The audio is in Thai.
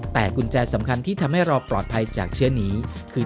แต่กุญแจสำคัญที่ทำให้เราปลอดภัยจากเชื้อนี้คือ